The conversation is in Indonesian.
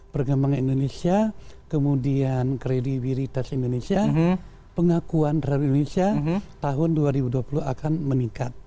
perkembangan indonesia kemudian kredibilitas indonesia pengakuan terhadap indonesia tahun dua ribu dua puluh akan meningkat